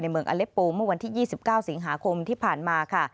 เมืองอเล็ปโปเมื่อวันที่๒๙สิงหาคมที่ผ่านมาค่ะ